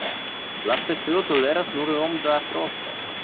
La specio toleras nur iom da frosto.